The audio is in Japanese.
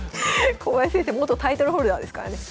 小林先生元タイトルホルダーですからね。